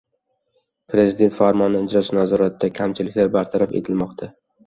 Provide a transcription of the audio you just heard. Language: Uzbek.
Prezident farmoni ijrosi nazoratda: kamchiliklar bartaraf etilmoqda